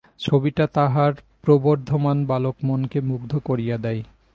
ছবিটা তাহার প্রবর্ধমান বালকমনকে মুগ্ধ করিয়া দেয়।